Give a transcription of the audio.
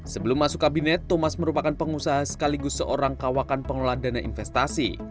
sebelum masuk kabinet thomas merupakan pengusaha sekaligus seorang kawakan pengelola dana investasi